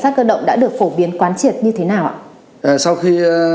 cảnh sát cơ động đã được phổ biến quán triệt như thế nào ạ sau khi